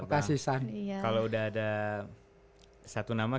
kalau sudah ada satu nama